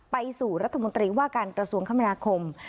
ไปสู่รัฐมนตรีว่าการกระทรวงคมนาคม